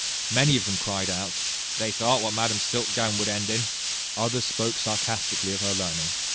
Many of them cried out, "They thought what madam's silk gown would end in;" others spoke sarcastically of her learning.